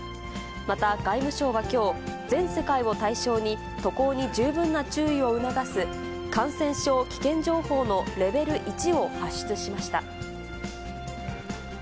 また、外務省はきょう、全世界を対象に、渡航に十分な注意を促す、感染症危険情報のレベル１を発出しました。